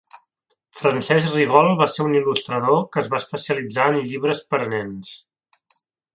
Francesc Rigol va ser un il·lustrador que es va especialitzar en llibres per a nens.